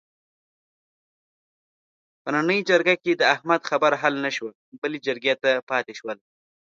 په نننۍ جرګه کې د احمد خبره حل نشوه، بلې جرګې ته پاتې شوله.